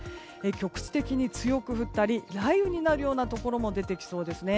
局地的に強く降ったり雷雨になるようなところも出てきそうですね。